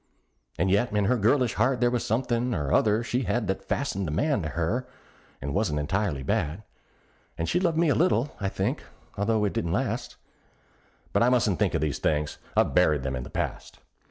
And yet in her girlish heart there was somethin' or other she had That fastened a man to her, and wasn't entirely bad; And she loved me a little, I think, although it didn't last; But I mustn't think of these things I've buried 'em in the past.